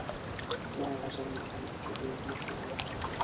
نوي عصر مخامخ کېدو مخه و.